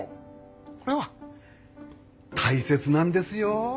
これは大切なんですよ。